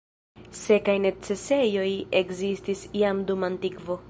Sekaj necesejoj ekzistis jam dum antikvo.